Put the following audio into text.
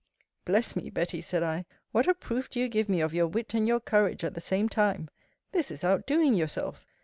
Bless me, Betty, said I, what a proof do you give me of your wit and your courage at the same time! This is outdoing yourself.